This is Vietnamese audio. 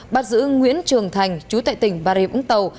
bắt giữ nguyễn trường thành chú tại tỉnh bà rịa vũng tàu